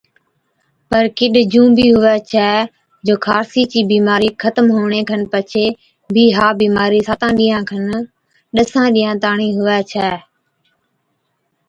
پر ڪِڏ جُون بِي هُوَي ڇَي جو خارسي چِي بِيمارِي ختم هُوَڻي کن پڇي بِي ها بِيمارِي ساتان ڏِينهان کن ڏَسان ڏِينها تاڻِين هُوَي ڇَي۔